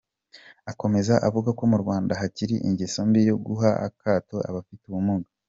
Akomeza avuga ko mu Rwanda hakiri ingeso mbi yo guha akato abafite ubumuga.